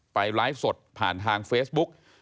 ไลฟ์สดผ่านทางเฟซบุ๊ก